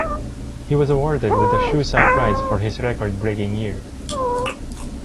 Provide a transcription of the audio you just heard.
He was awarded the Shusai Prize for his record breaking year.